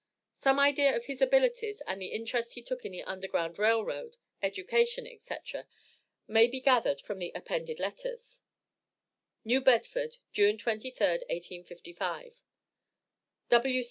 Some idea of his abilities, and the interest he took in the Underground Rail Road, education, etc., may be gathered from the appended letters: NEW BEDFORD, June 23d, 1855. W.